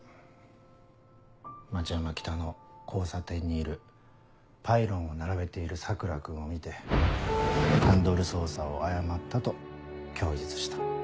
町山北の交差点にいるパイロンを並べている桜君を見てハンドル操作を誤ったと供述した。